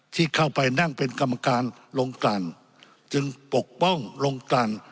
ที่เข้าไปนั่งเป็นกรรมการลงกลั่นจึงปกป้องลงกัน